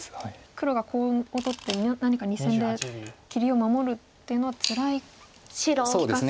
黒がコウを取って何か２線で切りを守るっていうのはつらい利かされ。